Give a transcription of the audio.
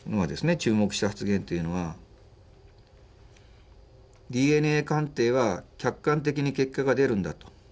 注目した発言というのは「ＤＮＡ鑑定は客観的に結果が出るんだ」と。